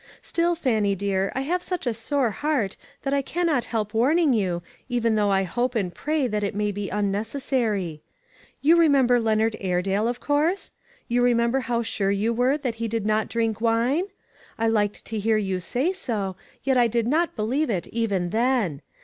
"Still, Fannie dear, I have such a sore heart, that I cannot help warning you, even though I hope and pray that it may be unnecessary. You remember Leonard Aire dale, of course? You remember how sure you were that he did not drink wine? I liked to hear you say so, yet I did not believe it even then.